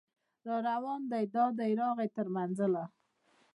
راروان دی دا دی راغی تر منزله